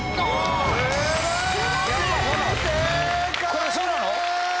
これそうなの？